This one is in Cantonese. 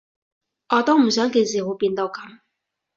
我都唔想件事會變到噉